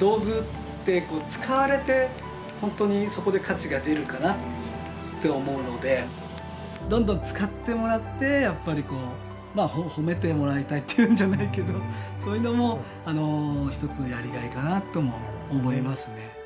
道具って使われて本当にそこで価値が出るかなって思うのでどんどん使ってもらってやっぱりこう褒めてもらいたいっていうんじゃないけどそういうのも一つのやりがいかなとも思いますね。